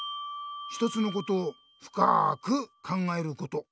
一つのことをふかく考えること。